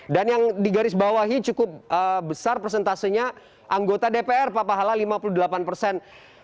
dan yang digaris bawahi cukup besar presentasenya anggota dpr pak hala lima puluh delapan persen